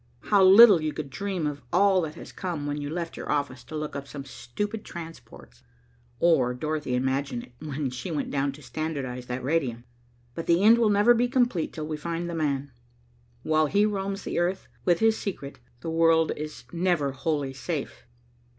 How little you could dream of all that has come when you left your office to look up some stupid transports, or Dorothy imagine it when she went down to standardize that radium. But the end will never be complete till we find 'the man.' While he roams the earth with his secret the world is never wholly safe."